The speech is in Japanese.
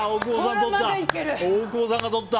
大久保さんがとった。